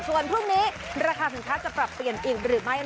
ส่วนพรุ่งนี้ราคาสินค้าจะปรับเปลี่ยนอีกหรือไม่